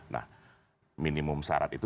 nah minimum syarat itu